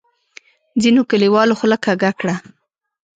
ځینو کلیوالو خوله کږه کړه.